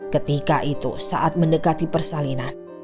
ketika itu saat mendekati persalinan